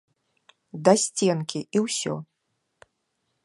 Да сценкі, і ўсё!